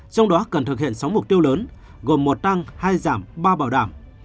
trong đó cần thực hiện sáu mục tiêu lớn gồm một tăng hai giảm ba bảo đảm